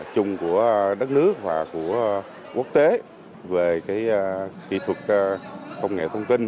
chung của đất nước và của quốc tế về kỹ thuật công nghệ thông tin